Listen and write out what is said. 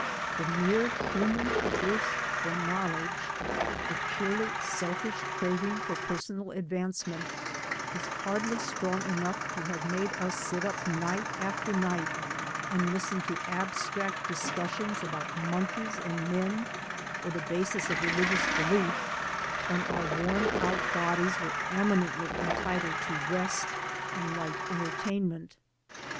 The mere human thirst for knowledge, the 158 THE SOUL OF THE GHETTO purely selfish craving for personal advancement, is hardly strong enough to have made us sit up night after night and listen to abstract discussions about monkeys and men or the basis of religious belief, when our worn out bodies were eminently entitled to rest and light entertainment.